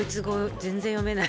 全然読めない。